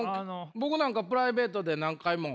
僕なんかプライベートで何回も。